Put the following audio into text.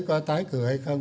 có tái cửa hay không